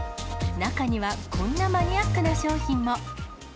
中にはこんなマニアックな商品も。